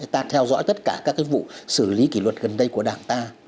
ta theo dõi tất cả các vụ xử lý kỷ luật gần đây của đảng ta